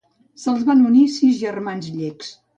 Se'ls van unir sis germans llecs.